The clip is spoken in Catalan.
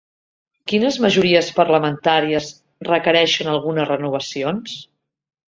Quines majories parlamentàries requereixen algunes renovacions?